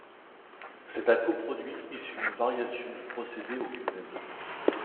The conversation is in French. C'est un coproduit issu d'une variation du procédé au cumène.